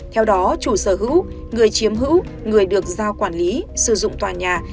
theo đó chủ sở hữu người chiếm hữu người được giao quản lý sử dụng tòa nhà